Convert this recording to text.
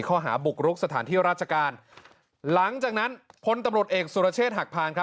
ข้อหาบุกรุกสถานที่ราชการหลังจากนั้นพลตำรวจเอกสุรเชษฐหักพานครับ